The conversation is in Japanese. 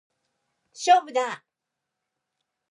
勝負だー！